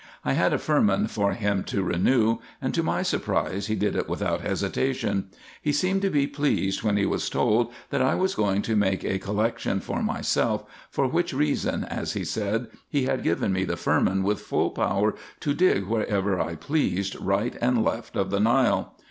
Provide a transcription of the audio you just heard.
I had a firman for him to renew, and to my surprise he did it without hesitation. He seemed IN EGYPT, NUBIA, &c. 287 to be pleased when he was told, that I was going to make a col lection for myself, for which reason, as he said, he had given me the firman with full power to dig wherever I pleased, right and left of the Xile.